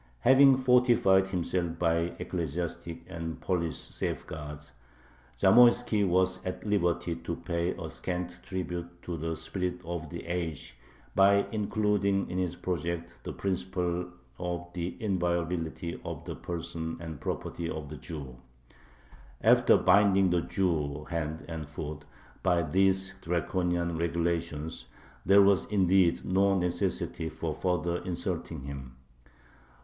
Having fortified himself by ecclesiastical and police safeguards, Zamoiski was at liberty to pay a scant tribute to the spirit of the age by including in his project the principle of the inviolability of the person and property of the Jew. After binding the Jew hand and foot by these draconian regulations there was indeed no necessity for further insulting him.